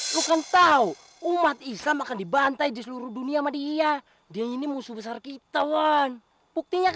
bukan tahu umat islam akan dibantai di seluruh dunia madia dia ini musuh besar kita wan buktinya